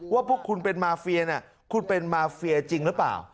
ว่าพวกคุณเป็นมาเฟียเนี่ยคุณเป็นมาเฟียจริงหรือเปล่า